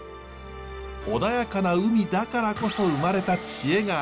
穏やかな海だからこそ生まれた知恵があります。